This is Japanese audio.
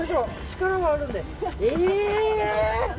力はあるんで。